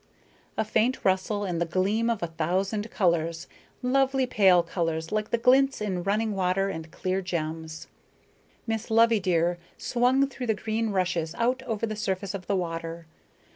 A faint rustle and the gleam of a thousand colors, lovely pale colors like the glints in running water and clear gems. Miss Loveydear swung through the green rushes out over the surface of the water.